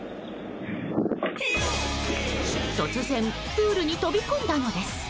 突然プールに飛び込んだのです。